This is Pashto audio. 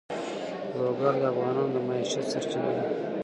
لوگر د افغانانو د معیشت سرچینه ده.